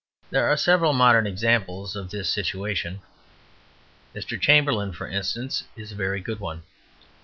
There are several modern examples of this situation. Mr. Chamberlain, for instance, is a very good one.